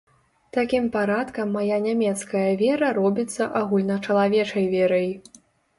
Такім парадкам мая нямецкая вера робіцца агульначалавечай верай.